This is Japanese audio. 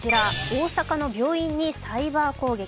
大坂の病院にサイバー攻撃。